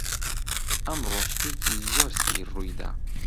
ئەمڕۆ شتێکی زۆر سەیر ڕووی دا.